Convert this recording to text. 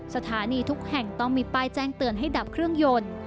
สถานีทุกแห่งต้องมีป้ายแจ้งเตือนให้ดับเครื่องยนต์